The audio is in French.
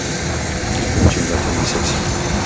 Il compte une vingtaine de sections.